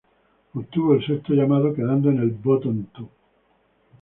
Obtuvo el sexto llamado quedando en el Bottom two.